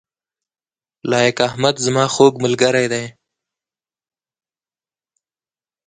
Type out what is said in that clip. لائق احمد زما خوږ ملګری دی